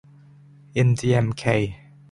In the Mk.